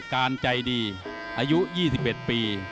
การใจดีอายุ๒๑ปี